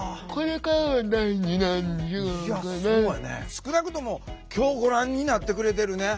少なくとも今日ご覧になってくれてるね